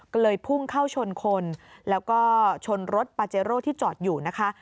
ก็เลยพุ่งเข้าชนคนแล้วก็ชนรถปาเจโร่ที่จอดอยู่นะคะ